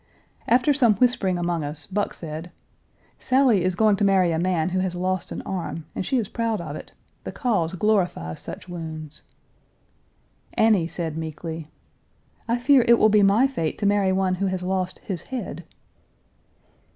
After some whispering among us Buck said: "Sally is going to marry a man who has lost an arm, and she is proud of it. The cause glorifies such wounds." Annie said meekly, "I fear it will be my fate to marry one who has lost his head."